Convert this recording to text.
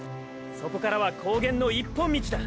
そこからは高原の一本道だ。